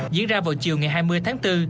diễn ra vào chiều ngày hai mươi tháng bốn